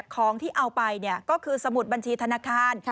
ของที่เอาไปก็คือสมุดบัญชีธนาคาร